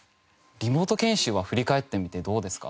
リモート研修は振り返ってみてどうですか？